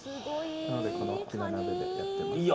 なので、この大きな鍋でやっています。